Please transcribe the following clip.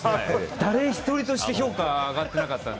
誰一人として評価上がってなかったんで。